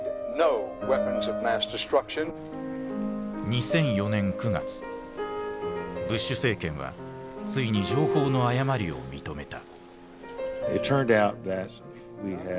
２００４年９月ブッシュ政権はついに情報の誤りを認めた。